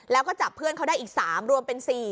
แล้วก็จับเพื่อนเขาได้อีก๓รวมเป็น๔